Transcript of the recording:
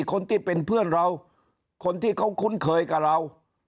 คนที่เป็นเพื่อนเราคนที่เขาคุ้นเคยกับเรา